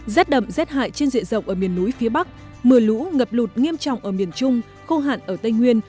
rết đậm rết hại trên dịa rộng ở miền núi phía bắc mưa lũ ngập lụt nghiêm trọng ở miền trung khô hạn ở tây nguyên